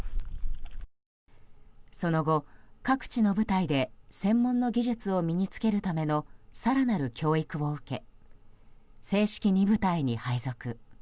その後、各地の部隊で専門の技術を身に付けるための更なる教育を受け正式に部隊に配属。